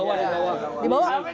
ini abang juga di bawah berarti ya bang